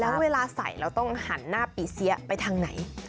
แล้วเวลาใส่เราต้องหันหน้าปีเสียไปทางไหน